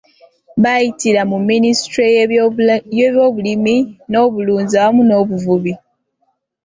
Bayitira mu Minisitule y’ebyobulimi n’obulunzi awamu n’obuvubi.